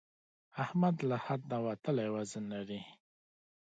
احمد له حد نه وتلی وزن لري.